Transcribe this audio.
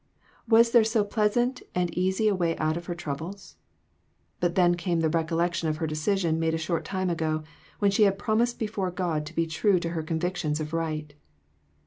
Was there so pleasant and easy a way out of her troubles ? But then came the recollection of her decision made a short time ago, when she had promised before God to be true to her convictions of right.